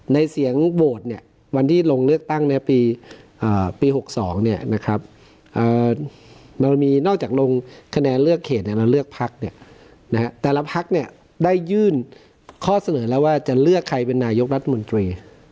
ในเสียงโหวตวันที่ลงเลือกตั้งในปี๖๒เรามีนอกจากลงคะแนนเลือกเขตเราเลือกพักแต่ละพักได้ยื่นข้อเสนอแล้วว่าจะเลือกใครเป็นนายกรัฐมนตรี